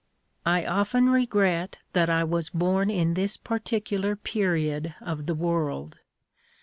I often regret that I was born in this particular period of the world.